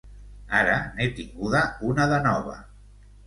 Ara n'he tinguda una de nova.